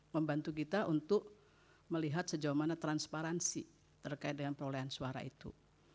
membantu kita untuk melihat sejauh mana transparansi terkait dengan perolehan suara itu